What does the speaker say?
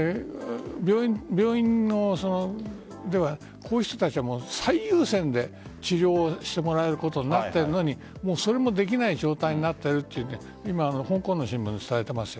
病院ではこの人たちを最優先で治療をしてもらえることになってるのにそれもできない状態になってるという今、香港の新聞が伝えてますよ。